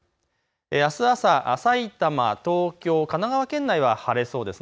あす朝、埼玉、東京、神奈川県内は晴れそうです。